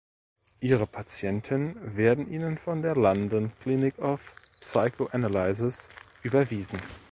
Ihre Patienten werden ihnen von der "London Clinic of Psychoanalysis" überwiesen.